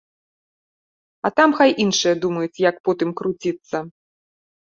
А там хай іншыя думаюць, як потым круціцца.